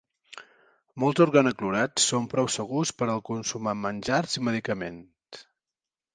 Molts organoclorats són prou segurs per al consum en menjars i medicaments.